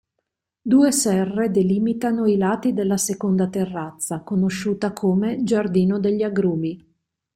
Due serre delimitano i lati della seconda terrazza conosciuta come "Giardino degli agrumi".